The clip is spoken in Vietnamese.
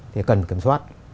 thì cần kiểm soát